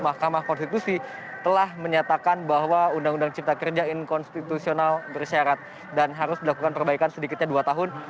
mahkamah konstitusi telah menyatakan bahwa undang undang cipta kerja inkonstitusional bersyarat dan harus dilakukan perbaikan sedikitnya dua tahun